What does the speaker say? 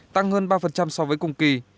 tăng hơn ba so với cùng kỳ